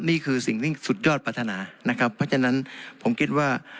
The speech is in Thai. นี่คือสิ่งที่สุดยอดปรารถนานะครับเพราะฉะนั้นผมคิดว่า